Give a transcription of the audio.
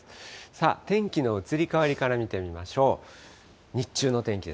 さあ、天気の移り変わりから見てみましょう。